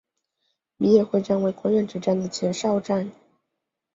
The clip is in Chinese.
米野会战为关原之战的前哨战。